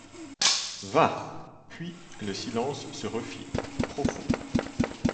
Va !— Puis le silence se refit, profond.